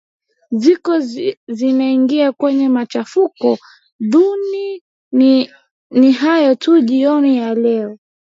ziko zinaingia kwenye machafuko nurdin ni hayo tu jioni ya leo